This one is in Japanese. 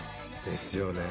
ですよね。